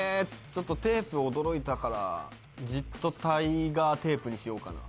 ちょっとテープ驚いたからジットタイガーテープにしようかな